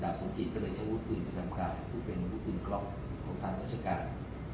ดาบสมจิตก็เลยใช้มุดปืนประจำกายซึ่งเป็นมุดปืนกล้องของทางราชการ